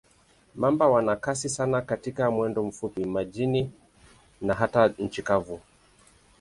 Mamba wana kasi sana katika mwendo mfupi, majini na hata nchi kavu.